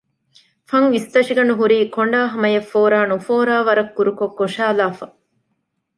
ފަން އިސްތަށިގަނޑު ހުރީ ކޮނޑާ ހަމަޔަށް ފޯރާ ނުފޯރާ ވަރަށް ކުރުކޮށް ކޮށައިލައިފަ